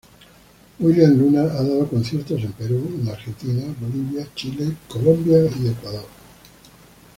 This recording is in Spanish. William Luna ha dado conciertos en Perú, en Argentina, Bolivia, Chile, Colombia y Ecuador.